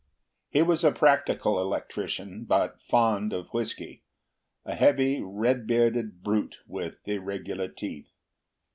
He was a practical electrician, but fond of whisky, a heavy red haired brute with irregular teeth.